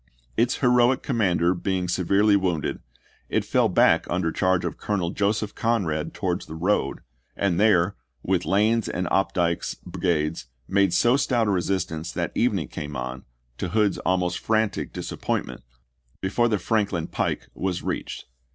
Its heroic commander being se verely wounded it fell back under charge of Colonel Joseph Conrad towards the road, and there, with Lane's and Opdycke's brigades, made so stout a re sistance that evening came on, to Hood's almost frantic disappointment, before the Franklin pike was reached.